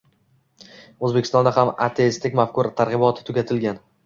Oʻzbekistonda ham ateistik mafkura targʻiboti tugatilgan